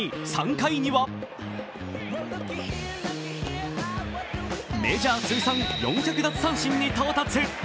３回にはメジャー通算４００奪三振に到達。